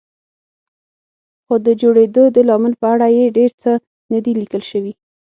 خو د جوړېدو د لامل په اړه یې ډېر څه نه دي لیکل شوي.